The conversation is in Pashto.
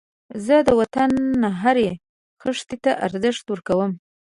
زه د وطن هرې خښتې ته ارزښت ورکوم